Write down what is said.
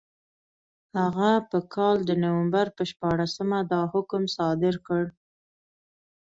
هغه په کال د نومبر په شپاړسمه دا حکم صادر کړ.